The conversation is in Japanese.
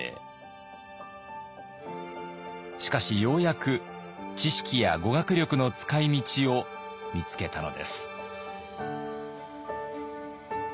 しかしようやく知識や語学力の使いみちを見つけたのです。